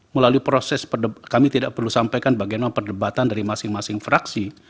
melalui proses kami tidak perlu sampaikan bagaimana perdebatan dari masing masing fraksi